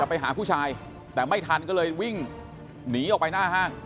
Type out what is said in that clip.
ไปหาผู้ชายแต่ไม่ทันก็เลยวิ่งหนีออกไปหน้าห้าง